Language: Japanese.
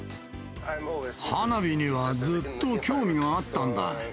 花火にはずっと興味があったんだ。